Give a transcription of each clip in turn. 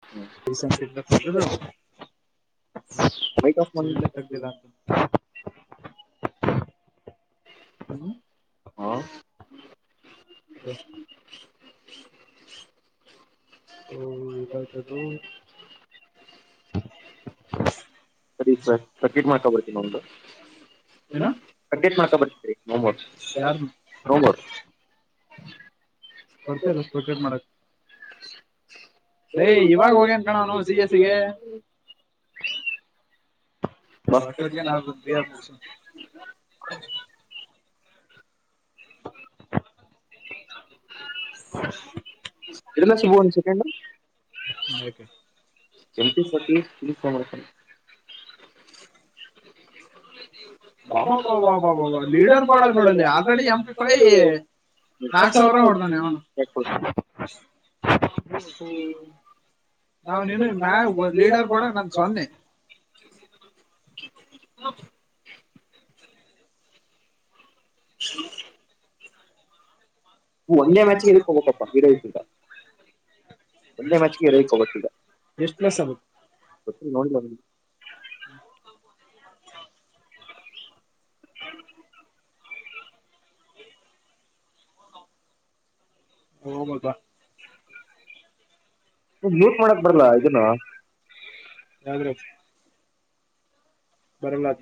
[unintelligible] [unintelligible] ಹ್ಮ ಹಾ [inaudible] [unintelligible] ಬ ಇನ್ನುಂದು ಕ ಕಬಡ್ ಮಮರ್ ಮೋಮೋರು [unintelligible] ಬರ್ತಾರಷ್ಟ ಬಕೇಟ್ ಮಾಡಕ್ ೇ ಇವಾಗ ಹೋಗೇನ್ ಕಣ ಸಿ ಎಸಿಗೆ ಹ ಅಥ ಜಿಯನ್ ಆಗುದು ಬಿ ಆಬಸ ೆ ಎಂ ಸತಿ ಸಮರ್ಕ ಬಾಬ ಬಾಬ ಬಾಬ ಲೀಡರ್ ಬಡ ನೋಡಲ್ಲಿ ಆಲ್ರೆಡಿ ಎಂ ಪಿ ಫೈ ನಾಕ್ ಸಾವಿರ ಹೊಡ್ದಾನೆ ನಾವ್ ನೀನು ನ ಲೀಡರ್ ಬೇಡ ನನ್ ಸ್ವನ್ನೆ [unintelligible] ಶ ವನ್ಡೇ ಮ್ಯಾಚಗೆಬ ಪ ವಿರೋ ಒಂದೇ ಮ್ಯಾಚ್ಗೆ ರೈಕ್ ಹೋಗತ್ತಿಲ್ಲೋ ಹ ೌ ಮಜಾ ಯ್ರ ಬರಂಗಾಜ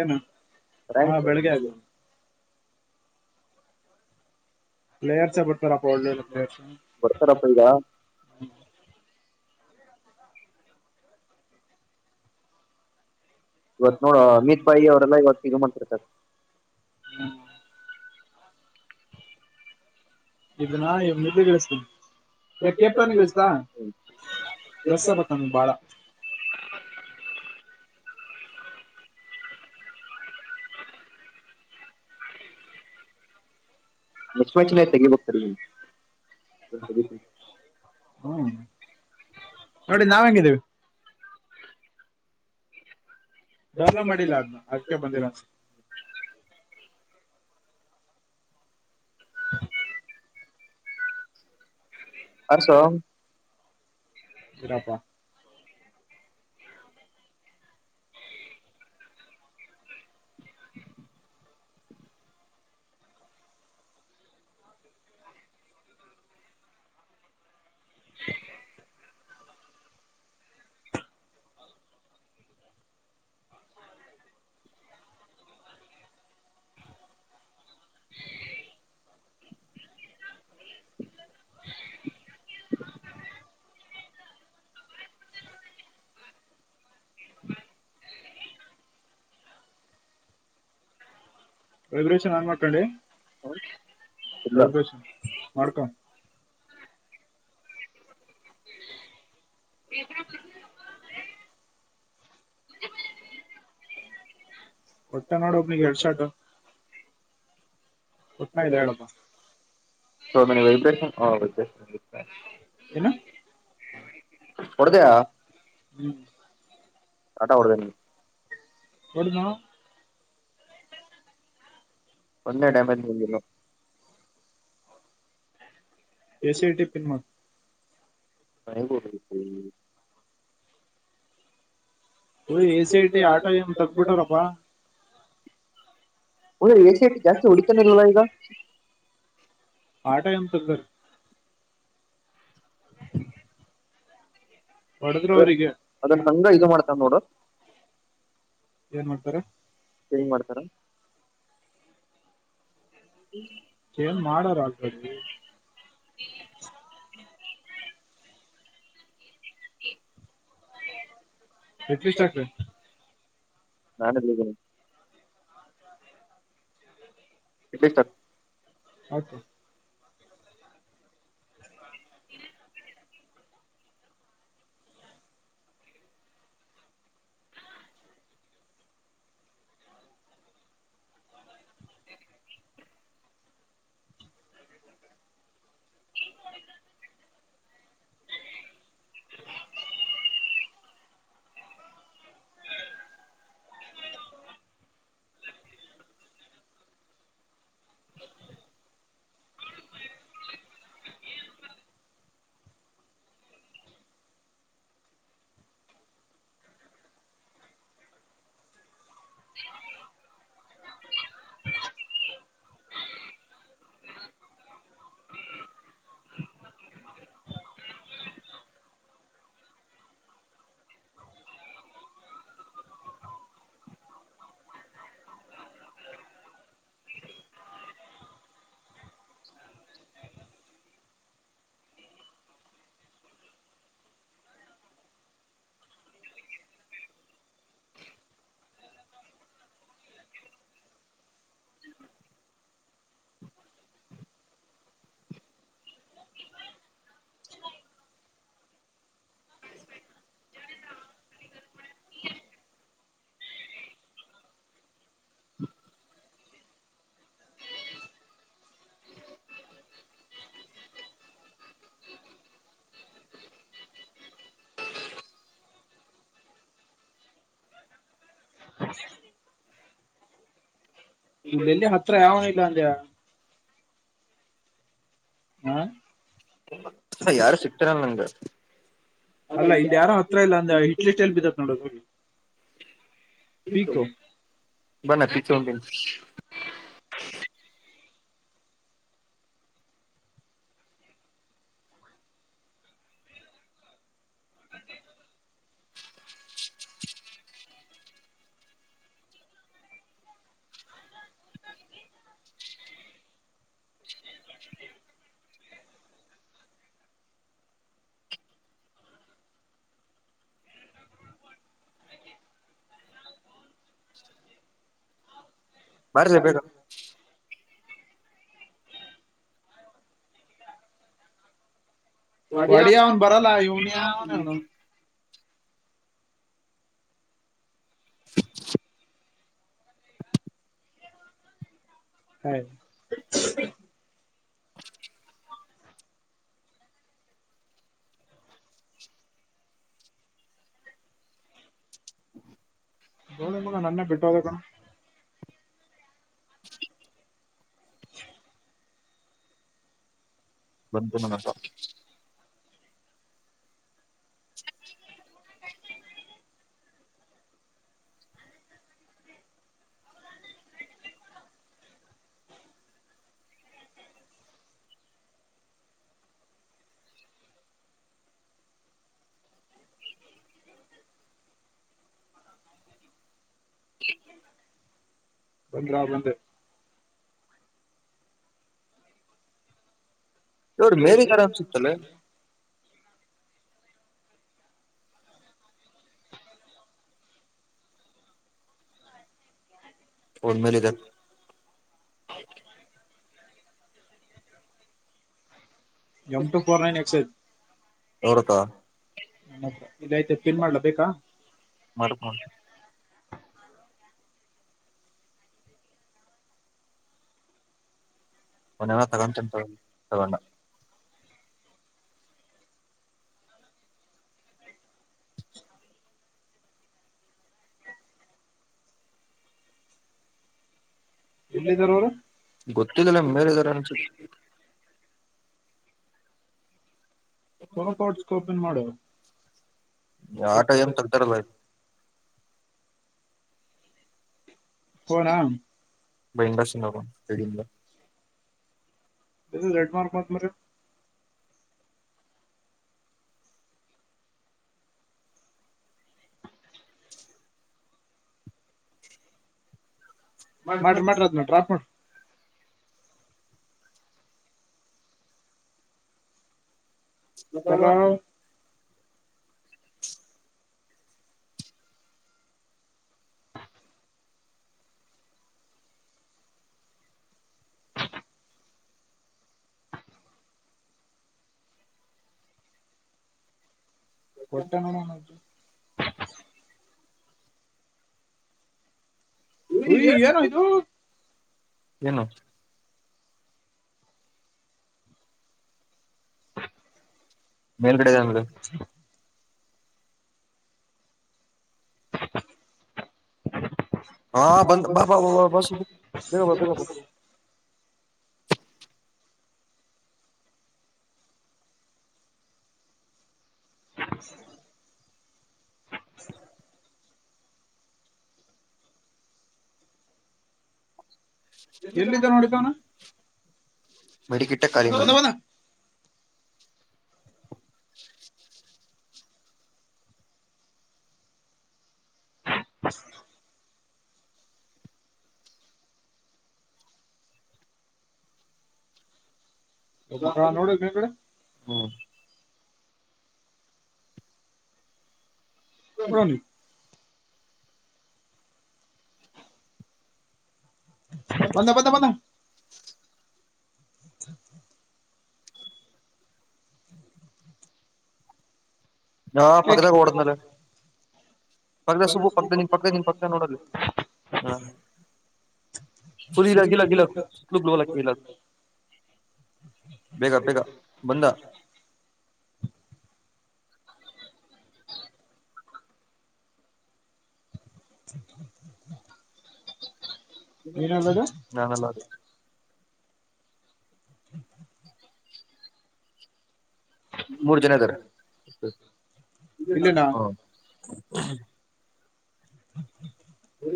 ಏನು ಹಾ ಬೆಳಿಗ್ಗೆ ಆಗ ಪ್ಲೇಯರ್ಸ ಪಡ್ತಾರೆ ಒಳ್ಳ ಪ್ೇಯರ್ ಇವತ್ ನೋಡುವ ಅಮಿತ್ ಬಾಯಿ ಅವರೆಲ್ಲಾ ಇವತ್ತುಗ ಮಂತರ್ತರ್ ಇದನ್ನಾ ನಿ್ದ ಕೆಿಸತೀಿ ಅ ಕೆಪನಿಸತಾ ರಸ ಬತ್ತ ಬಾಳ [unintelligible] ಲಕ್ಷ್ಮಚ್ತೆೆಗೆ ಬುತ ಹ್ಮ್ ನೋಡಿ ನಾವ ಹೆಂಗಿದ್ದೀವಿ ದ ನ ಮಾಡಿಲ್ಲ ಅದನ ಅೆ ಬಂದಿರ ಹಸೋ ಇರಾಪ್ಪಾ [unintelligible] [unintelligible] [unintelligible] [unintelligible] ವೈಬ್ರಷನ್ ನನ್ ಮಾಡ್ಕೊಂಡಿ ವೈಬ್ರಷನ್ ಮಾಡ್ಕೊ ಎ [unintelligible] ಒಟ್ಟನಾಡೋೋಗ ನೀ ಗರ್ಷಟ ಉುಟ್ನ ಇ ಹೇಳಪ್ಪ ಸ ಮ ವೈಬ್ರೇಶನ್ ಹ ವೈಬ್ರೇಶ ಹೌದ ಹ್ಮ್ ಆಟಾ ಕೊಡದ ಒಂದು ಡಾ ಮಂದ ಎ ಸಿ ಎ ಟಿ ಪನ್ಮ ಅಯೂಡ A C I T auto ಏನ್ ತಗಬಿಟಾರಪ್ಪಾ ಹ ಎ ಸಿಟ್ ಜಾಸ್ತಿ ಹುಡಕಲ್ಲಲ್ಲ ಈಗ ಹಟೈಮ ತಗರ್ ಅದನ್ ಹಂಗ ಇದು ಮಾಡ್ತಾವ ನೋಡು ಏನ್ ಮಾಡ್ತಾರ ಏನ್ ಮಾಡಾರ ಆ ಹ್ಮ ಎಟ್ಲಿಟಕೆ ನಾನುಲ್ಲಿದ್ದೇನೆ ಇ ಆಯ್ತು ಹ [inaudible] [unintelligible] ಹ್ಮ [inaudible] [unintelligible] ಇಲ್ಲಲ್ಲಿ ಹತ್ರ ಯಾವನ ಇಲ್ಲ ಅಂದ ಯಾರು ಸಿಕ್ತರಲ್ಲ ನಂಗೆ ಅಲ್ಲ ಇಲ್ಲಿ ಯಾರೋ ಹತ್ರ ಇಲ್ಲ ಅಂದ ಇಟ್ಲಿ ಸ್ಟೈಲ್ ಬಿದ್ದತ್ ನೋಡದು ಬನ್ ಚೌಟ [inaudible] ಬರ್ಲೆ ಬೇಕ ವಡಿ ಯ ಅವನ್ ಬರಲ್ಲ ಇವನ್ ಯಾವನ್ ಅವ [unintelligible] ಹ [inaudible] ಬೋಳ ಮಗ ನನ್ನೇ ಬಿಟ್ಟು ಹೋದಣ [unintelligible] ಬಂದಂತ ಮಸ [inaudible] [unintelligible] ಬಂದ್ರಾ ಬಂದ ನೋರ ಮೇರಿಗರ ಅನ್ ಸಿಗ್ತಾನ ಒದ್ಮೇಲೆ ಇದೆ eight four nine X S ಹತ [inaudible] ಹ ಇಯ್ತ ಪಿನ್ ಮಾಡ್ಲಾ ಬೇಕಾ ಮನ ತಗೊಂಡು ತಾ ತಗೊಂಡ್ಣ ಎಲ್ಲಿದಾರ ಅವರು ಗೊತ್ತಿಲ್ಲಲ್ಲ ಮೇಲೆ ಇದಾರ ಅನ್ಸತ್ ಕಾಪ್ಟ್ಸ್ ಓಪನ್ ಮಾಡುವ ಆಟ ಏಮ ತಗತಾರಲ್ಲ ಏನ್ ಏನು ಬಂದ ಸಿ ನ ಡಿದ [inaudible] ರೆಡ್ ಮಾರ್ಕ್ ಹಾಕೋದು ಮಾಡ್ರಿ ಮಾಡಟ್ರ ಅದ ನೋಟ್ರಾಪ್ಪ [inaudible] ಮತ್ತ [inaudible] ಕೊಟ್ಟಣ ನನದು ಒಯಿ ಏನೋ ಇದು ಏನು ಹ [inaudible] ಹಾ [inaudible] [unintelligible] ಎಲ್ಲಿದ್ದ ನೋಡಿತವನ ಮೆಡಿಕಟ್ಟ ಕಾರಾರಿ [inaudible] ಯ [unintelligible] [unintelligible] ಮಕ್ಕಳ ನೋಡ ನಿ ಕಡೆ ಹೂ ಒನ್ ಬಂದ ಬಂದ ಬಂದ ಹ ಹಾ ಪಕ್ಕದ ಹೋದಮೇಲೆ ಪಕ್ಕದ ಸುಬು ಪಕ್ಕದ ನಿನ್ ಪಕ್ಕದ ನಿನ್ ಪಕ್ಕದ ನೋಡಲಿ ಹೂ ಪು ರಾಗಿಲಾಗಿಿಲ್ಲಲು ಬಲಲ್ಲ ಬೇಗ ಬೇಗ ಬಂದ [unintelligible] ನಾನ್ ಅಲ್ಲ ಅದು ಮೂರು ಜನ ಇದರೆ ಹಾ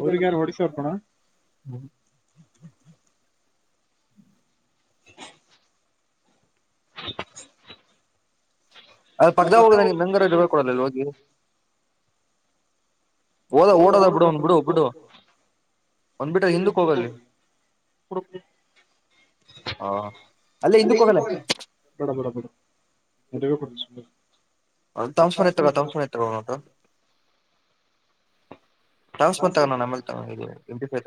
ಊರಿಗೆ ಏನ್ [unintelligible] ಹ ಅದ ಪಕ್ಕಕೆ ಹೋಗದ ನಂಗರ ಇ ಕೊಡಲ್ಲ ಇಲ್ಲ ಹೋಗಿ ಓದ ಓಡೋದ ಬಿಡವನು ಬಿಡು ಬಿಡು ಒಂದ್ಬಿಟ್ಟ ಹಿಂದಕ್ಕ ಹೋಗಲ್ಲಿ ಹಾ ಅಲ್ಲ ಹಿಂದಕ್ಕೆ ಹೋಗಲೇ ಎಂತಗ ಕೊ ತಾಫಾನ ಎತ ತಾಫಾನ ಇವತ್ತು ಾಸ್ ಮ ತಣ ನಮ್ಮ ತ ಇ ಎ ತ